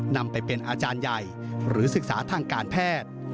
นำไปเป็นอาจารย์ใหญ่หรือศึกษาทางการแพทย์